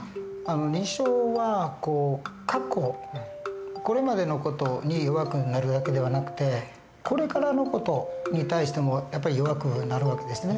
認知症は過去これまでの事に弱くなるだけではなくてこれからの事に対してもやっぱり弱くなる訳ですね。